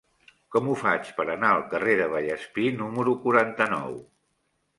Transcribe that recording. Com ho faig per anar al carrer de Vallespir número quaranta-nou?